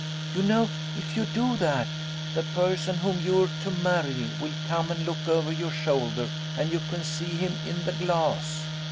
You know if you do that, the person whom you're to marry will come and look over your shoulder, and you can see him in the glass.